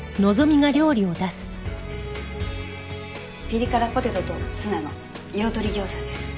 ピリ辛ポテトとツナの彩り餃子です。